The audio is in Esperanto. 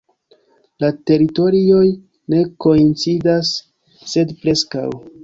La teritorioj ne koincidas, sed preskaŭ.